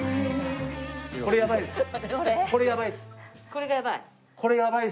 これがやばい？